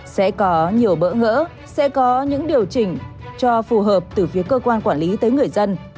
sẽ có nhiều bỡ ngỡ sẽ có những điều chỉnh cho phù hợp từ phía cơ quan quản lý tới người dân